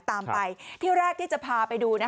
ตามไปที่แรกที่จะพาไปดู